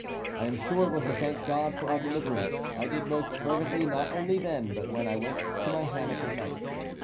I am sure it was to thank God for our deliverance: I did most fervently, not only then, but when I went to my hammock at night.